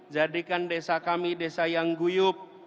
jadikan desa kami desa yang guyup